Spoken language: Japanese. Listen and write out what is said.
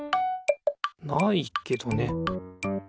ないけどね。